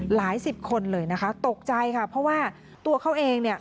สิบคนเลยนะคะตกใจค่ะเพราะว่าตัวเขาเองเนี่ย